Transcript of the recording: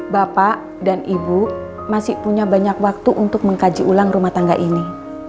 bapak dan ibu masih punya banyak waktu untuk mengkaji ulang rumah tangga ini